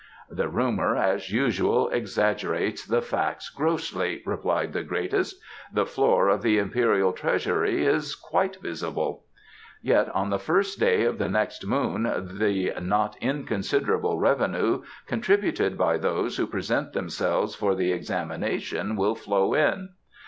"The rumour, as usual, exaggerates the facts grossly," replied the Greatest. "The floor of the Imperial treasury is quite visible." "Yet on the first day of the next moon the not inconsiderable revenue contributed by those who present themselves for the examination will flow in."